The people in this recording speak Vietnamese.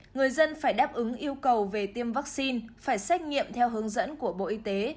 người dân phải đáp ứng yêu cầu về tiêm vaccine phải xét nghiệm theo hướng dẫn của bộ y tế